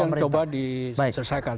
nah itu yang coba diselesaikan